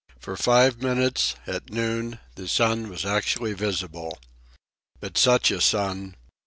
For five minutes, at noon, the sun was actually visible. But such a sun!